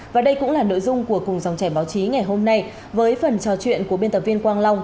và đây cũng là nội dung của cùng dòng chảy báo chí ngày hôm nay với phần trò chuyện của biên tập viên quang long